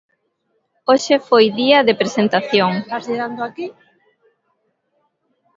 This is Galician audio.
Hoxe foi día de presentación.